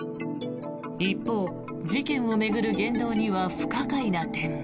一方、事件を巡る言動には不可解な点も。